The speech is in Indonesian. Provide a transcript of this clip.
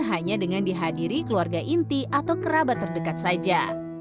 hanya dengan dihadiri keluarga inti atau kerabat terdekat saja